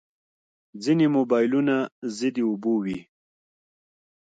ځینې موبایلونه ضد اوبو وي.